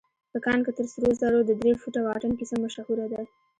په کان کې تر سرو زرو د درې فوټه واټن کيسه مشهوره ده.